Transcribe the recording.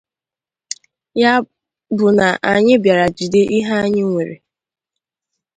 Ya bụ na anyị bịara jide ihe anyị nwere